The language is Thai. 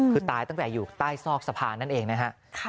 คือตายตั้งแต่อยู่ใต้ซอกสะพานนั่นเองนะฮะ